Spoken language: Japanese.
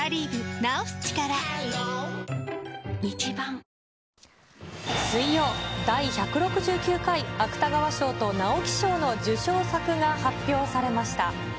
ぷはーっ水曜、第１６９回芥川賞と直木賞の受賞作が発表されました。